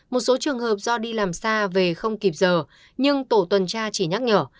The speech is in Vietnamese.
một số trường hợp do đi làm xa về không kịp giờ nhưng tổ tuần tra chỉ nhắc nhở